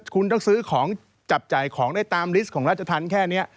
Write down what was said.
คุณต้องซื้อของจับจ่ายของได้ตามลิสต์ของราชธรรมแค่นี้